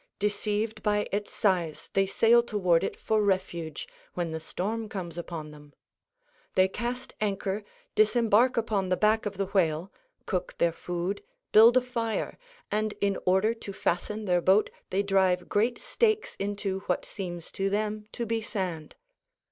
Deceived by its size they sail toward it for refuge, when the storm comes upon them. They cast anchor, disembark upon the back of the whale, cook their food, build a fire, and in order to fasten their boat they drive great stakes into what seems to them to be sand.